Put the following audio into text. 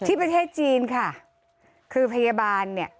ประเทศจีนค่ะคือพยาบาลเนี่ย